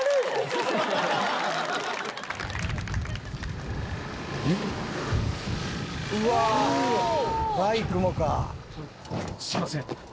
すいません。